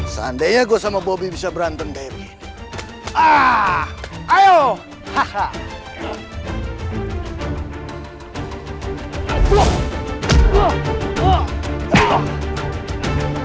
seandainya gue sama bobi bisa berantem kayak begini